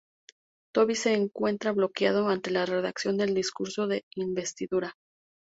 Toby se encuentra bloqueado ante la redacción del discurso de Investidura.